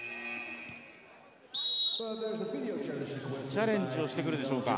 チャレンジをしてくるでしょうか。